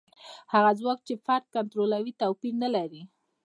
هغه ځواک چې فرد کنټرولوي توپیر نه لري.